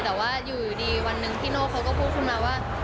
แต่ว่าอยู่ดีวันหนึ่งพี่โน่เขาก็พูดขึ้นมาว่า